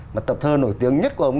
mà tập thơ nổi tiếng nhất của ông